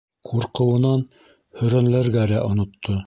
Ҡурҡыуынан һөрәнләргә лә онотто.